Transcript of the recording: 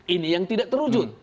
ini yang tidak terujut